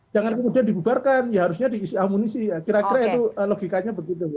jangan kemudian dibubarkan ya harusnya diisi amunisi ya kira kira itu logikanya begitu